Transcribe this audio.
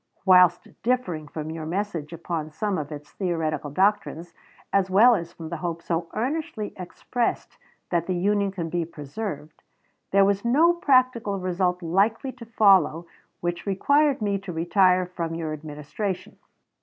Whilst differing from your message upon some of its theoretical doctrines, as well as from the hope so earnestly expressed that the Union can be preserved, there was no practical result likely to follow which required me to retire from your Administration.